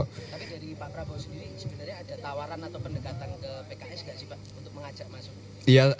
tapi dari pak prabowo sendiri sebenarnya ada tawaran atau pendekatan ke pks gak sih pak untuk mengajak masuk